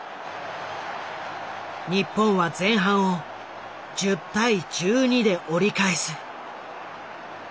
日本は前半を１０対１２で折り返す。